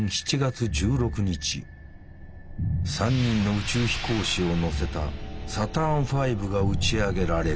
３人の宇宙飛行士を乗せたサターンⅤが打ち上げられる。